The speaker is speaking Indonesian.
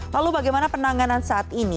lalu bagaimana penanganan saat ini